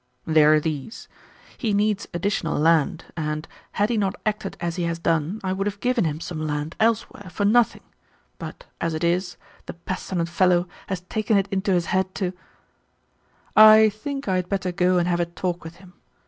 "They are these. He needs additional land and, had he not acted as he has done, I would have given him some land elsewhere for nothing; but, as it is, the pestilent fellow has taken it into his head to " "I think I had better go and have a talk with him.